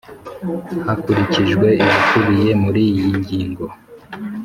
Hakurikijwe ibikubiye muri iyi ngingo.